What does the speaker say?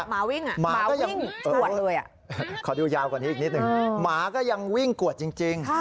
หมาวิ่งสวดเลยอ่ะอือขอดูยาวก่อนสินิดหนึ่งหมาก็ยังวิ่งกวดจริง